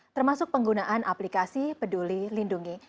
termasuk penggunaan aplikasi peduli lindungi